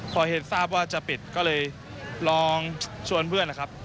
พอเห็นทราบว่าจะปิดก็เลยลองชวนเพื่อนนะครับ